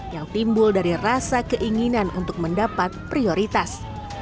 yang timbul dari rasa keinginan untuk mendapat prioritas